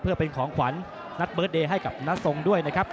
เพื่อเป็นของขวัญนัดเบิร์ตเดย์ให้กับน้าทรงด้วยนะครับ